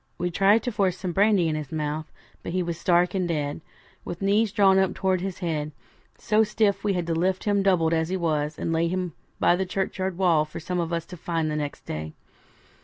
We tried to force some brandy in his mouth, but he was stark and dead; with knees drawn up towards his head, so stiff we had to lift him doubled as he was, and lay him by the churchyard wall for some of us to find next day.